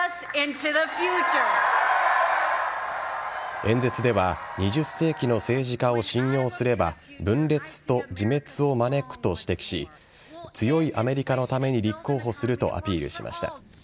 演説では２０世紀の政治家を信用すれば分裂と自滅を招くと指摘し強いアメリカのために立候補するとアピールしました。